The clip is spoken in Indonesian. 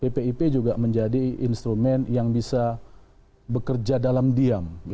jadi ya mestinya bpip juga menjadi instrumen yang bisa bekerja dalam diam